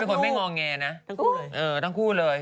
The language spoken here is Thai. แล้วเป็นคนไม่งอแงนะทั้งคู่เลย